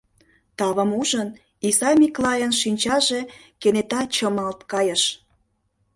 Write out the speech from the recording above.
Тавым ужын, Исай Миклайын шинчаже кенета чымалт кайыш.